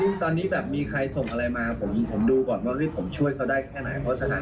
ดิ์มตอนนี้แบบมีใครส่งอะไรมาผมดูก่อนว่าที่ผมช่วยเขาได้แค่ไหน